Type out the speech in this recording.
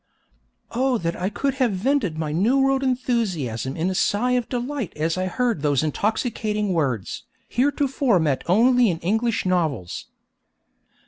Oh that I could have vented my New World enthusiasm in a sigh of delight as I heard those intoxicating words, heretofore met only in English novels!